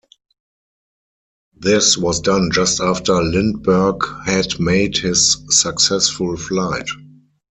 This was done just after Lindbergh had made his successful flight.